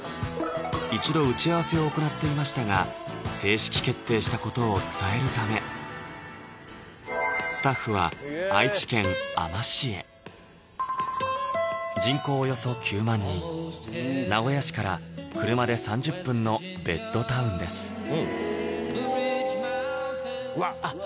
一度打ち合わせを行っていましたが正式決定したことを伝えるためスタッフは愛知県あま市へ人口およそ９万人のベッドタウンですあっ